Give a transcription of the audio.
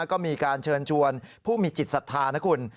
ก็มีการเชิญชวนผู้มีจิตศรัทธานะคุณ